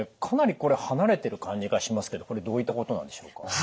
かなりこれ離れてる感じがしますけどこれどういったことなんでしょうか？